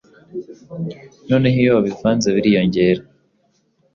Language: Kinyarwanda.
noneho iyo wabivanze biriyongera.